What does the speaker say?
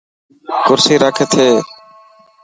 ڪرسي رک اٿي.